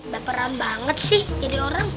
baperan banget sih jadi orang